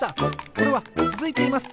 これはつづいています！